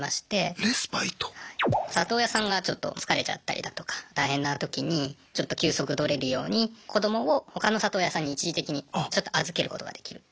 里親さんがちょっと疲れちゃったりだとか大変なときにちょっと休息取れるように子どもを他の里親さんに一時的にちょっと預けることができるっていう制度があるんですね。